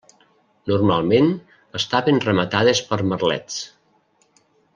Normalment estaven rematades per merlets.